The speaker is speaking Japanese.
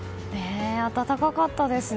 暖かかったですね。